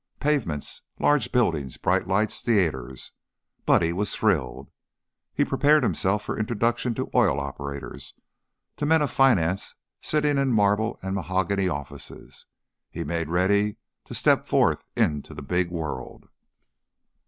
Pavements, large buildings, bright lights, theaters Buddy was thrilled. He prepared himself for introduction to oil operators, to men of finance sitting in marble and mahogany offices; he made ready to step forth into the big world.